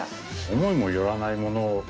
思いも寄らないもの。